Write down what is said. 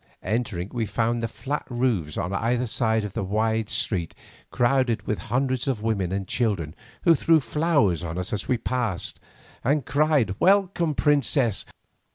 Entering it we found the flat roofs on either side of the wide street crowded with hundreds of women and children who threw flowers on us as we passed, and cried, "Welcome, princess!